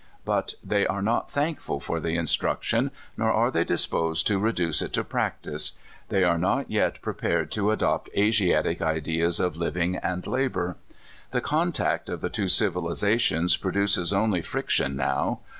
But they are not thankful for the instruction, nor are they disposed to reduce it to practice. They are not yet prepared to adopt Asiatic ideas of liv ing and labor. The contact of the two civiliza tions produces only friction now.